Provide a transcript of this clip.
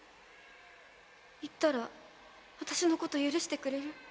言ったら私のこと許してくれる？